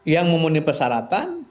yang memenuhi persyaratan